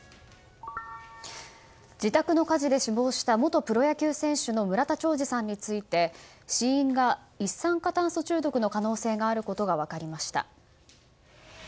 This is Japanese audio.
自宅の火事で死亡した元プロ野球選手の村田兆治さんについて死因が一酸化炭素中毒の可能性があることが分かりました。